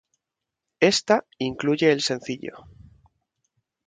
Ésta incluye el sencillo.